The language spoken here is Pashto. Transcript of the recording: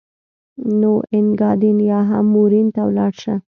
نو اینګادین یا هم مورین ته ولاړ شه.